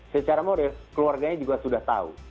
secara moral keluarganya juga sudah tahu